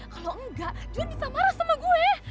kalau enggak juan bisa marah sama gue